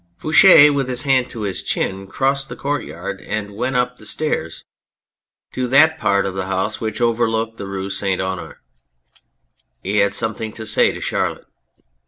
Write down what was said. Fouche with his hand to his chin crossed the courtyard and went up the stairs to that part of the 279 On Anything house which overlooked the Rue St. Honore. He had something to say to Charlotte.